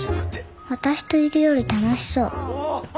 私といるより楽しそう。